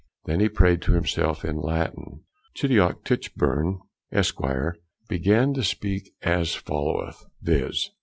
Then he prayed to himself in Latin. Chidiock Titchbone, Esq., began to speak as followeth, _viz.